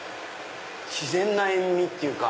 自然な塩味っていうか。